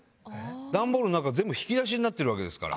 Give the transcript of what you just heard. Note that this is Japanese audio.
段ボールの中、全部引き出しになってるわけですから。